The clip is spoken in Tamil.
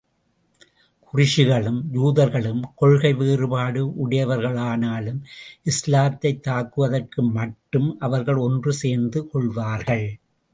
குறைஷிகளும் யூதர்களும் கொள்கை வேறுபாடு உடையவர்களானாலும், இஸ்லாத்தைத் தாக்குவதற்கு மட்டும் அவர்கள் ஒன்று சேர்ந்து கொள்வார்கள்.